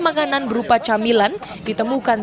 makanan berupa camilan ditemukan